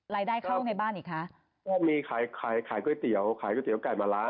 รายได้เข้าในบ้านอีกค่ะก็มีใครใครขายก๋วยเตี๋ยวขายก๋วยเตี๋ยวไก่มะละ